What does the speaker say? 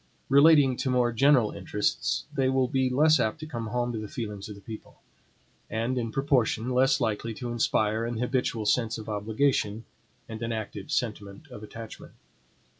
Relating to more general interests, they will be less apt to come home to the feelings of the people; and, in proportion, less likely to inspire an habitual sense of obligation, and an active sentiment of attachment.